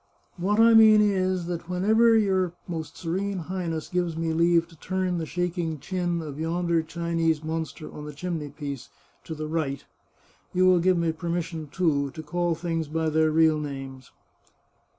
" What I mean is, that whenever your Most Serene High ness gives me leave to turn the shaking chin of yonder Chinese monster on the chimneypiece to the right, you will give me permission, too, to call things by their real names."